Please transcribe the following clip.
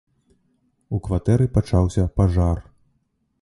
У кватэры пачаўся пажар.